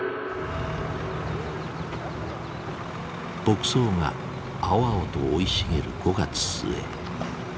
牧草が青々と生い茂る５月末。